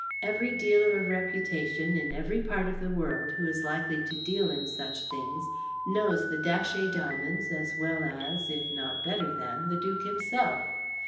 Every dealer of reputation, in every part of the world, who is likely to deal in such things knows the Datchet diamonds as well as, if not better than, the Duke himself.